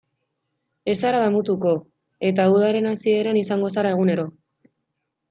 Ez zara damutuko, eta udaren hasieran izango zara egunero.